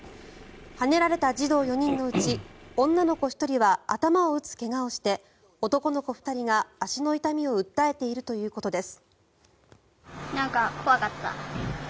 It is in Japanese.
はねられた児童４人のうち女の子１人は頭を打つ怪我をして男の子２人が足の痛みを訴えているということです。